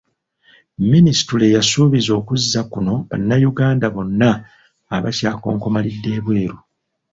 Minisitule yasuubizza okuzza kuno bannayuganda bonna abakyakonkomalidde ebweru.